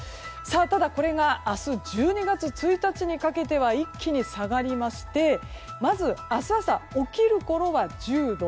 ただ、これが明日１２月１日にかけては一気に下がりましてまず、明日朝起きるころは１０度。